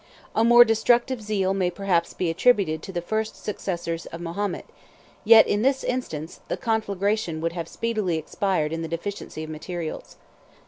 118 A more destructive zeal may perhaps be attributed to the first successors of Mahomet; yet in this instance, the conflagration would have speedily expired in the deficiency of materials.